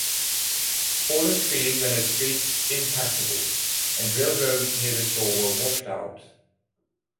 Fallen trees rendered streets impassable, and railroads near the shore were washed out.